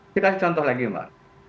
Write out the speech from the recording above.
kita kasih contoh lagi mbak